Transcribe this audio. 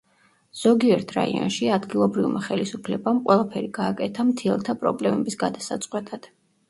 ზოგიერთ რაიონში ადგილობრივმა ხელისუფლებამ ყველაფერი გააკეთა მთიელთა პრობლემების გადასაწყვეტად.